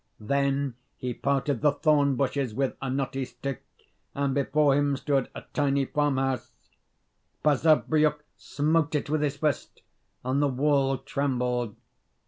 Then he parted the thorn bushes with a knotty stick and before him stood a tiny farmhouse. Basavriuk smote it with his fist, and the wall trembled.